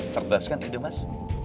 cerdas kan ide mas